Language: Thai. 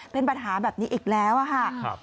เป็นปัญหาแบบนี้อีกแล้วค่ะ